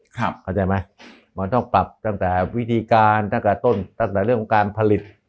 เข้าใจไหมมันต้องปรับตั้งแต่วิธีการตั้งแต่ต้นตั้งแต่เรื่องของการผลิต